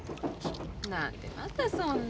何でまたそんな。